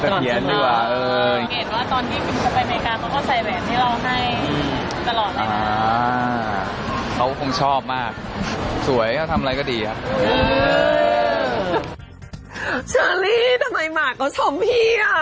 เออเห็นว่าตอนนี้กลิ่นเข้าไปไอเมริกาเค้าใช้แบบที่เราให้ตลอดเลยนะ